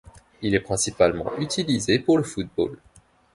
Il est principalement utilisé pour le football.